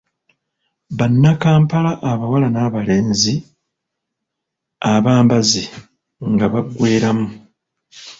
Bannakampala abawala n'abalenzi abambazi, nga baggweeramu.